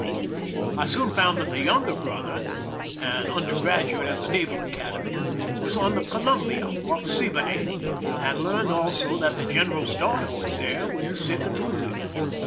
I soon found that the younger brother, an undergraduate at the Naval Academy, was on the Columhia, off Siboney, and learned also that the general's daughter was there with the sick and wounded.